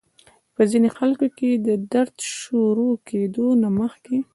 پۀ ځينې خلکو کې د درد شورو کېدو نه مخکې